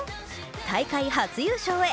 大会初優勝へ。